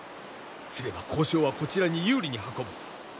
すれば交渉はこちらに有利に運ぶ。